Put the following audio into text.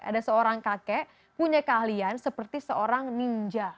ada seorang kakek punya keahlian seperti seorang ninja